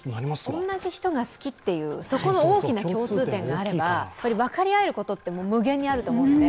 同じ人が好きっていう、そこの大きな共通点があれば、分かり合えることって無限にあると思うので。